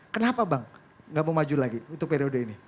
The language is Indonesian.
kenapa bang gak mau maju lagi untuk periode ini